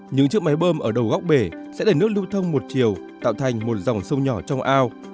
những chiếc máy bơm ở đầu góc bể sẽ đẩy nước lưu thông một chiều tạo thành một dòng sông nhỏ trong ao